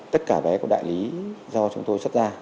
tất cả vé của đại lý do chúng tôi xuất ra